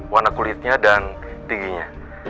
warna kulitnya dan tingginya